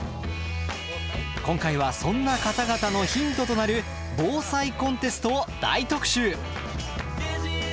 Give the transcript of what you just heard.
今回はそんな方々のヒントとなる防災コンテストを大特集！